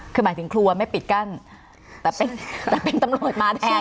คือหมายถึงครัวไม่ปิดกั้นแต่เป็นแต่เป็นตำรวจมาแทน